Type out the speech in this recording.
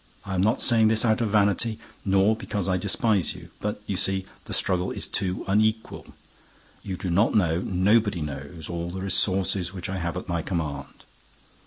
I am not saying this out of vanity—nor because I despise you—but, you see, the struggle is too unequal. You do not know—nobody knows all the resources which I have at my command.